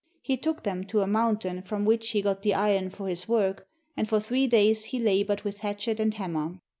He took them to a mountain from which he got the iron for his work, and for three days he laboured with hatchet and hammer.